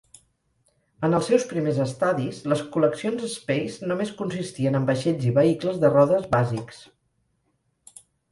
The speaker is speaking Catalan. En els seus primers estadis, les col·leccions Space només consistien en vaixells i vehicles de rodes bàsics.